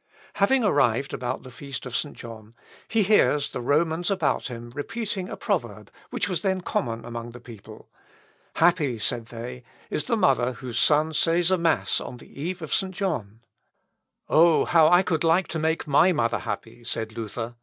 (Luth. Op. (W.) xxii, pp. 1314, 1332.) Having arrived about the feast of St. John, he hears the Romans about him repeating a proverb which was then common among the people: "Happy," said they, "is the mother whose son says a mass on the eve of St. John." "Oh! how I could like to make my mother happy!" said Luther.